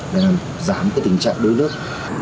để giảm tình trạng đối nước